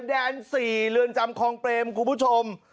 แดน๔เรือนจำคลองเปรมคุณผู้ชม